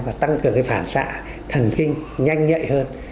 và tăng cường phản xạ thần kinh nhanh nhạy hơn